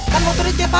kan motornya ceparis